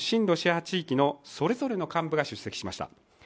ロシア派地域のそれぞれの幹部が出席しました。